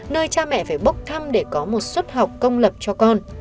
nơi cha mẹ phải bốc thăm để có một suất học công lập cho con